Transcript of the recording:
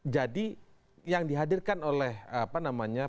jadi yang dihadirkan oleh apa namanya